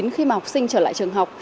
khi mà học sinh trở lại trường học